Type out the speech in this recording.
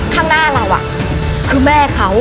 ข้างหน้าเราคือแม่เขา